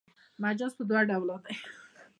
مجاز پر دوه ډوله دﺉ.